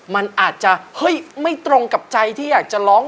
มันอาจจะเฮ้ยไม่ตรงกับใจที่อยากจะร้อง